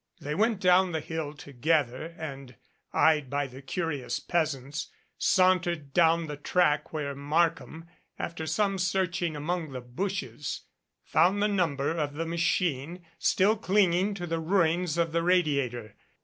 They went down the hill together and, eyed by the curious peasants, sauntered down the track where Mark ham, after some searching among the bushes, found the number of the machine still clinging to the ruins of the radiator.